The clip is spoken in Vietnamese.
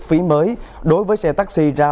phí mới đối với xe taxi ra